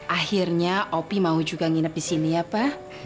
akhirnya opi mau juga nginep disini ya pa